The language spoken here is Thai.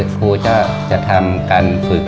ครูก็จะทำการฝึก